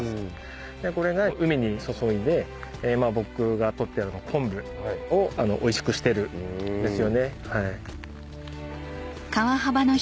これが海に注いで僕が取ってるような昆布をおいしくしてるんですよね。